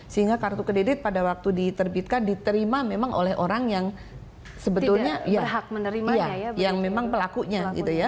sehingga kartu kedidik pada waktu diterbitkan diterima memang oleh orang yang sebetulnya yang memang pelakunya